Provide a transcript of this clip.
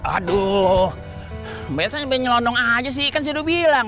aduh mbak elsa nyelondong aja sih kan saya udah bilang